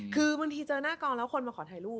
คือบางทีเจอหน้ากองแล้วคนมาขอถ่ายรูป